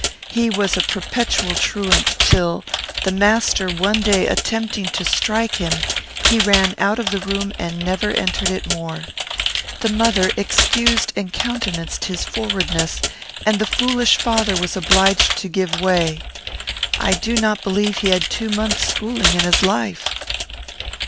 He was a perpetual truant; till, the master one day attempting to strike him, he ran out of the room and never entered it more. The mother excused and countenanced his frowardness, and the foolish father was obliged to give way. I do not believe he had two months' schooling in his life."